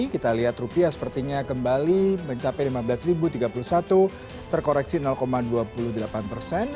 kita lihat rupiah sepertinya kembali mencapai lima belas tiga puluh satu terkoreksi dua puluh delapan persen